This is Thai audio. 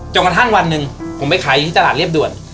จนกระทั่งวันนึงผมไปขายที่ตลาดเรียบด่วน